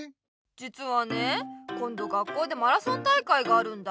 じつはねこんど学校でマラソン大会があるんだ。